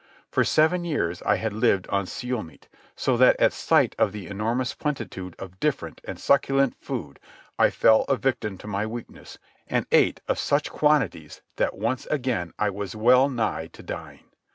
For seven years I had lived on seal meat, so that at sight of the enormous plentitude of different and succulent food I fell a victim to my weakness and ate of such quantities that once again I was well nigh to dying.